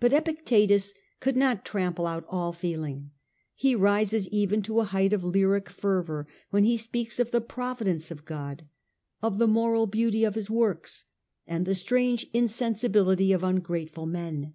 But Epictetus could not trample out all feeling ; he rises even to a height of lyric fervour when he speaks of the providence of God, of the moral beauty of His works, and the strange insensibility of ungrateful men.